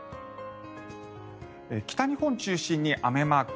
北日本中心に雨マーク。